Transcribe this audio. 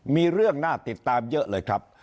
มีเรื่องน่าติดตามเยอะเลยครับ